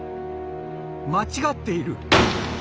間違っている！